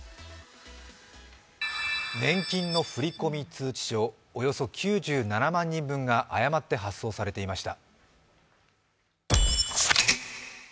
年金の振込通知書、およそ９７万人分が誤って発送されていました。